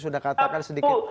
sudah katakan sedikit